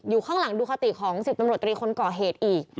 ข้างหลังดูคติของ๑๐ตำรวจตรีคนก่อเหตุอีก